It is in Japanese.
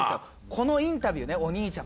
このインタビューねお兄ちゃん